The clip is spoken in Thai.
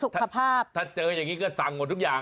สภาพถ้าเจออย่างนี้ก็สั่งหมดทุกอย่าง